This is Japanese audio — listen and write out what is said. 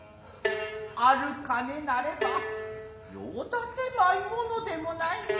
ある金なれば用立てまいものでもない。